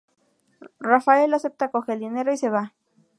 Raphael acepta, coge el dinero y se va.